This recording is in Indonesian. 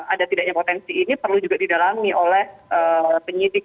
ada tidaknya potensi ini perlu juga didalami oleh penyidik